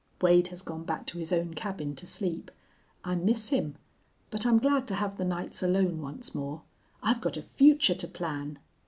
Wade has gone back to his own cabin to sleep. I miss him. But I'm glad to have the nights alone once more. I've got a future to plan!